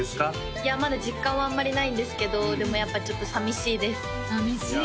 いやまだ実感はあんまりないんですけどでもやっぱりちょっと寂しいです寂しいよね